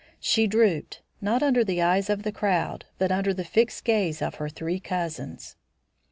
She drooped, not under the eyes of the crowd, but under the fixed gaze of her three cousins.